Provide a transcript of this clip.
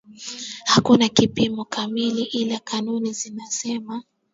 Hakuna kipimo kamili ila kanuni zinasema